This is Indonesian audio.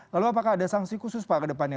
lalu apakah ada sanksi khusus pak ke depannya